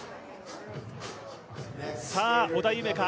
織田夢海。